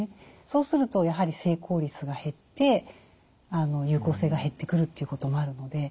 そうするとやはり成功率が減って有効性が減ってくるということもあるので。